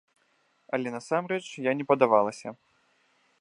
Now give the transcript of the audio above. Але насамрэч, я не падавалася.